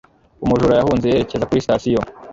umujura yahunze yerekeza kuri sitasiyo